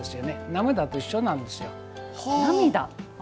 涙と一緒なんですよ。